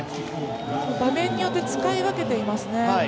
場面によって使い分けていますね。